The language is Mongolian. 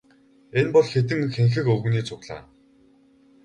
Энэ бол хэдэн хэнхэг өвгөний цуглаан.